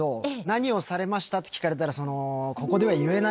「何をされました？」って聞かれたら。